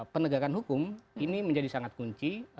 penegakan hukum ini menjadi sangat kunci